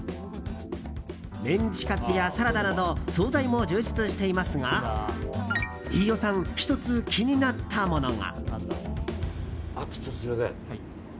メンチカツやサラダなど総菜も充実していますが飯尾さん、１つ気になったものが。